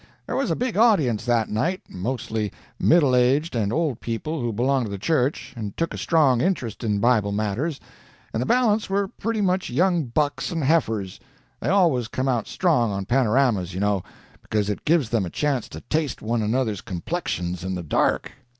"There was a big audience that night mostly middle aged and old people who belong to the church, and took a strong interest in Bible matters, and the balance were pretty much young bucks and heifers they always come out strong on panoramas, you know, because it gives them a chance to taste one another's complexions in the dark.